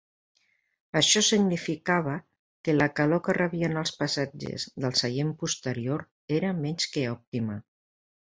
Això significava que la calor que rebien els passatgers del seient posterior era menys que òptima.